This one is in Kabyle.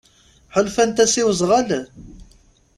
Ḥulfant-as i wezɣal?